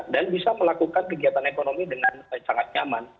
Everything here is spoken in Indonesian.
dan bisa melakukan kegiatan ekonomi dengan sangat nyaman